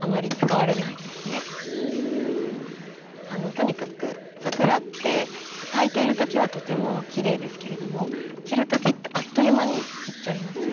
とにかく桜って咲いている時はとてもきれいですけれども散る時ってあっという間に散っちゃいますよね。